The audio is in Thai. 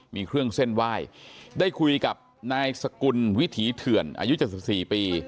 มีเครื่องเส้นไหว้ได้คุยกับนายสกุลวิถีเถื่อนอายุ๗๔ปี